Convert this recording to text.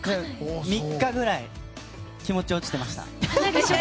３日ぐらい気持ち落ちていました。